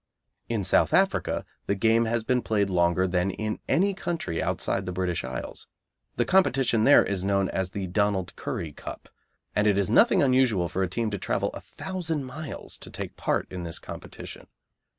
In South Africa the game has been played longer than in any country outside the British Isles. The competition there is known as the Donald Currie Cup, and it is nothing unusual for a team to travel a thousand miles to take part in this competition.